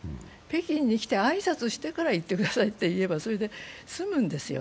北京に来て挨拶してから行ってくださいと言えば、それで済むんですよ。